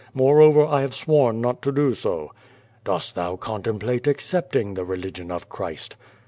Moreover, I have sworn not to do so." Dost thou contemplate accepting the religion of Christ?'